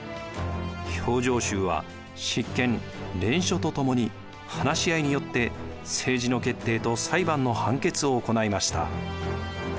評定衆は執権連署と共に話し合いによって政治の決定と裁判の判決を行いました。